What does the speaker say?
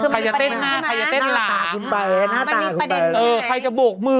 อ๋อใครจะเต้นหน้าใครจะเต้นหลังมันมีประเด็นขึ้นไปใครจะโบกมือ